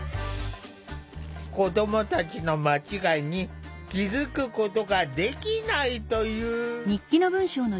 子どもたちの間違いに気付くことができないという。